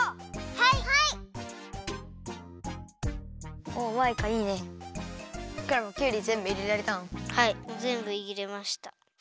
はいぜんぶいれました。